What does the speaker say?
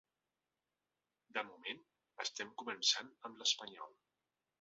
De moment estem començant amb l’espanyol.